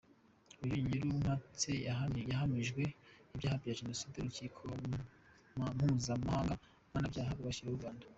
Uyu Ngirumpatse yahamijwe ibyaha bya Jenoside n’urukiko mpuzamahanga mpanabyaha rwashyiriweho u Rwanda.